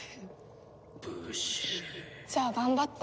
ブシ。じゃあ頑張って。